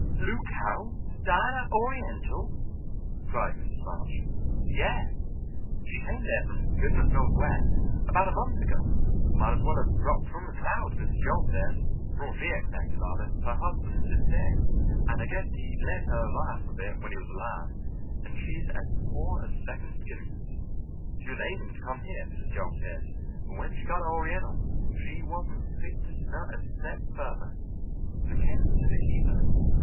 "Lou Carroll dying at Oriental!" cried Mrs. March. "Yes. She came there from goodness knows where, about a month ago—might as well have dropped from the clouds, Mrs. Joel says, for all she expected of it. Her husband is dead, and I guess he led her a life of it when he was alive, and she's as poor as second skimmings. She was aiming to come here, Mrs. Joel says, but when she got to Oriental she wasn't fit to stir a step further, and the Kents had to keep her.